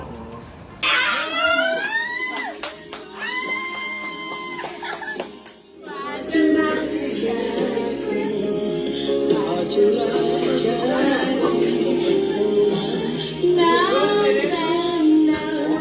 พ่อแม่คนจัดเชียงเศร้า